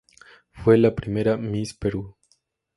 Fue la primera Miss Perú.